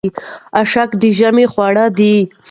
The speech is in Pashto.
اشک د ژمي خواړه دي.